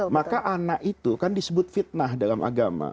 maka anak itu kan disebut fitnah dalam agama